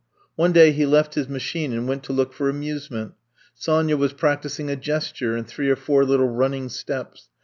One day he left his machine and went to look for amuse ment. Sonya was practising a gesture and three or four little running steps.